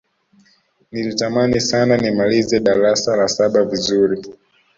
nilitamani sana nimalize darasa la saba vizuri